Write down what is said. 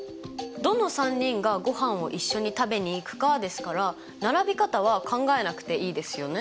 どの３人がごはんを一緒に食べに行くかですから並び方は考えなくていいですよね？